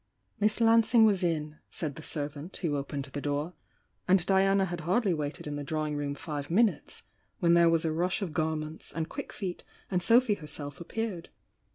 Miss Lansing was in, said the servant who opened the door, — and Diana had hardly waited in the drawing room five minutes, when there was a rush of garments and quick feet and Sophy herself appeared.